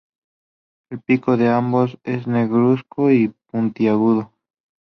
El pico de ambos es negruzco y puntiagudo.